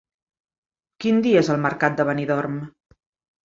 Quin dia és el mercat de Benidorm?